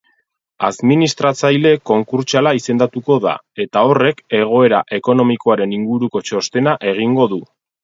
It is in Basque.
Administrazaile konkurtsala izendatuko da, eta horrek egoera ekonomikoaren inguruko txostena egingo du.